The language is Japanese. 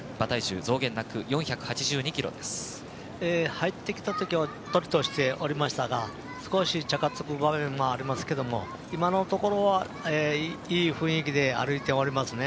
入ってきたときはおっとりとしておりましたが少しチャカつく場面もありますけども今のところは、いい雰囲気で歩いておりますね。